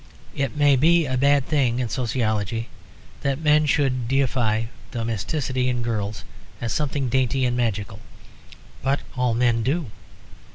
It may be a bad thing in sociology that men should deify domesticity in girls as something dainty and magical; but all men do.